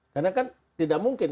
karena kan tidak mungkin